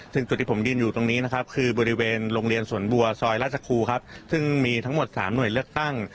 ซึ่งจุดที่ผมยืนอยู่ตรงนี้นะครับคือบริเวณโรงเรียนสวนบัวซอยราชครูครับซึ่งมีทั้งหมด๓หน่วยเลือกตั้ง